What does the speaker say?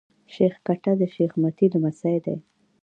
شېخ کټه شېخ متي لمسی دﺉ.